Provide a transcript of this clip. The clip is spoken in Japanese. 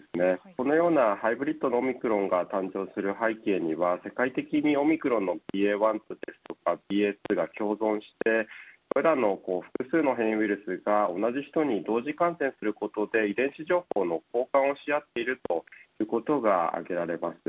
このようなハイブリッドのオミクロンが誕生する背景には世界的にオミクロンのＢＡ．１やＢＡ．２が共存して複数の変異ウイルスが同じ人に同時感染することで遺伝子情報の交換をしあっているということがあげられます。